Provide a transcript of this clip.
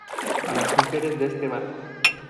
a las mujeres de este barco.